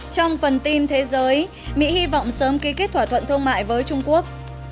trong phần tin thế giới mỹ hy vọng sớm ký kết thỏa thuận thương mại với trung quốc